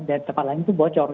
dan tempat lain itu bocor